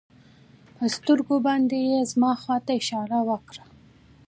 په سترګو باندې يې زما خوا ته اشاره وکړه.